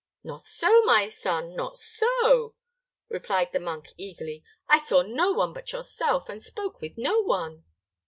"Not so, my son, not so," replied the monk, eagerly; "I saw no one but yourself, and spoke with no one."